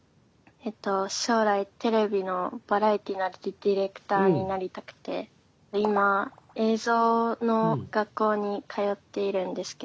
えっと将来テレビのバラエティーのディレクターになりたくて今映像の学校に通っているんですけど。